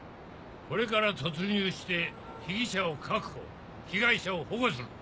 これから突入して被疑者を確保被害者を保護する。